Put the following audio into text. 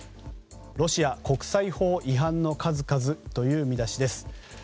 ロシア国際法違反の数々という見出しです。